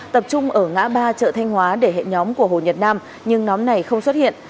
tập trung ở ngã ba chợ thanh hóa để hệ nhóm của hồ nhật nam nhưng nhóm này không xuất hiện